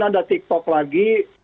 ada tik tok lagi